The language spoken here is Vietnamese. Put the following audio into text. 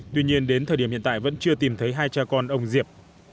tuy nhiên đến thời điểm hiện tại vẫn chưa tìm thấy hai cha con ông diệp